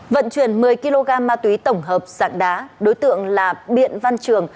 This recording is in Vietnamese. vận chuyển một mươi kg ma túy tổng hợp sạc đá đối tượng là biện văn trường